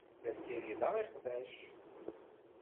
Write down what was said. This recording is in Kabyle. La ssirideɣ iqbac.